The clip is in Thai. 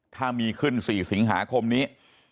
ถ้ามีขึ้น๔สิงหาคมนี้